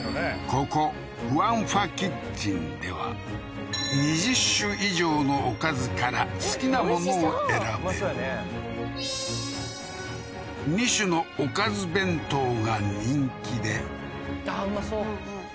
ここ權發小廚では２０種以上のおかずから好きなものを選べる２種のおかず弁当が人気でああーうまそううんうん